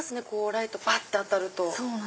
ライトばって当たると。